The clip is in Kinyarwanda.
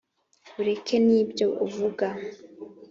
ureke n’ibyo uvuga